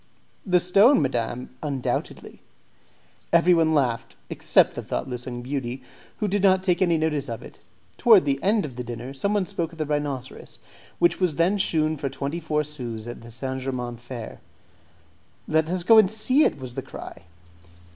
"The stone, madam, undoubtedly." Everyone laughed except the thoughtless young beauty, who did not take any notice of it. Towards the end of the dinner, someone spoke of the rhinoceros, which was then shewn for twenty four sous at the St. Germain's Fair. "Let us go and see it!" was the cry.